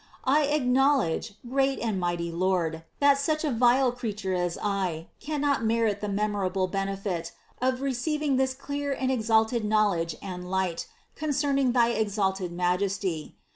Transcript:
I acknowledge, great and mighty Lord, that such a vile creature as I cannot merit the memorable benefit of receiving this clear and exalted knowledge and light concerning thy exalted Majesty.